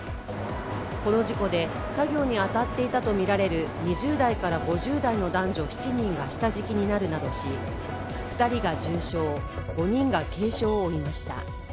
この事故で作業に当たっていたとみられる２０代から５０代の男女７人が下敷きになるなどし、２人が重傷、５人が軽傷を負いました。